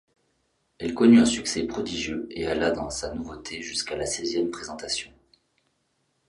Elle connut un succès prodigieux et alla, dans sa nouveauté, jusqu’à la seizième représentation.